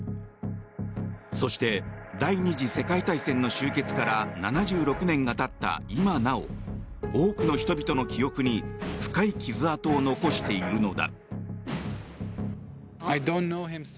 そして、第２次世界大戦の終結から７６年が経った今なお、多くの人々の記憶に深い傷跡を残しているのだ。